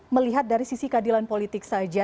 melihat dari sisi keadilan politik saja